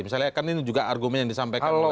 misalnya kan ini juga argumen yang disampaikan